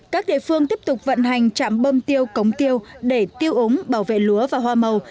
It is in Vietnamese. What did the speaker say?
các địa phương tiếp tục vận hành trạm bơm tiêu cống tiêu để tiêu ống bảo vệ lúa và hoa màu